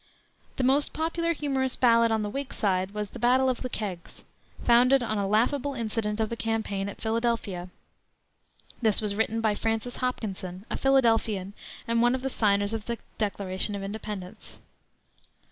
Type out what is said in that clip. The most popular humorous ballad on the Whig side was the Battle of the Kegs, founded on a laughable incident of the campaign at Philadelphia. This was written by Francis Hopkinson, a Philadelphian, and one of the signers of the Declaration of Independence.